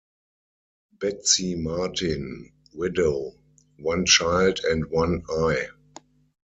Betsy Martin, widow, one child, and one eye.